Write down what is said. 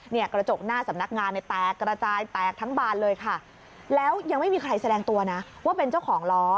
กระจกหน้าสำนักงานเนี่ยแตกกระจายแตกทั้งบานเลยค่ะแล้วยังไม่มีใครแสดงตัวนะว่าเป็นเจ้าของล้อ